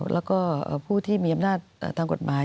แล้วก็ผู้ที่มีอำนาจทางกฎหมาย